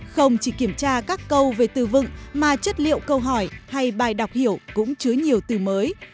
không chỉ kiểm tra các câu về từ vựng mà chất liệu câu hỏi hay bài đọc hiểu cũng chứa nhiều từ mới